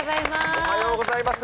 おはようございます。